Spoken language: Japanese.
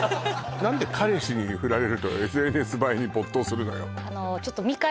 何で彼氏にフラれるとＳＮＳ映えに没頭するのよ